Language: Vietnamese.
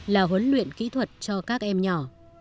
là huấn luyện kỹ thuật cho các em nhỏ